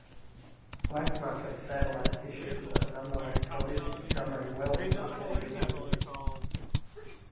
Black market satellite dishes are nonetheless prolific, numbering well into the tens of millions.